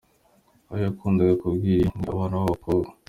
Abo yakundaga kubwira ibi, ni abana b’abakobwa .